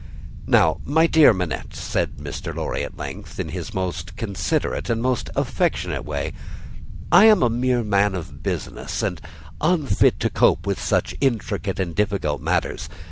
"Now, my dear Manette," said Mr. Lorry, at length, in his most considerate and most affectionate way, "I am a mere man of business, and unfit to cope with such intricate and difficult matters.